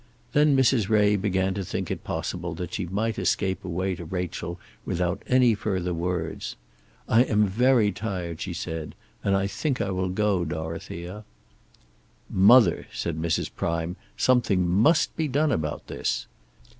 Then Mrs. Ray began to think it possible that she might escape away to Rachel without any further words. "I am very tired," she said, "and I think I will go, Dorothea." "Mother," said Mrs. Prime, "something must be done about this."